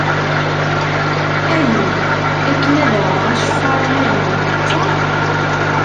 Ayen? Akken ad aɣeɣ aceffar niḍen am netta?